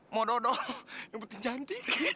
mau dodol yang penting cantik